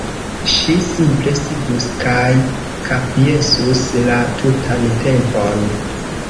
Ŝi simple sidus kaj kapjesus la tutan tempon.